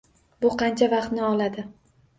Bu qancha vaqtni oladi?